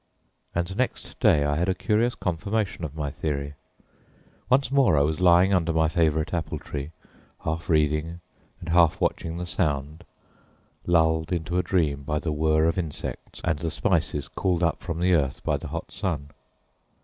And next day I had a curious confirmation of my theory. Once more I was lying under my favorite apple tree, half reading and half watching the Sound, lulled into a dream by the whir of insects and the spices called up from the earth by the hot sun.